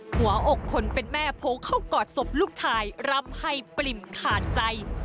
หัวอกคนเป็นแม่โพเข้ากอดศพลูกชายรำให้ปริ่มขาดใจ